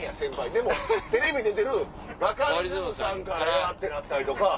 でも「テレビ出てるバカリズムさんからや！」とか。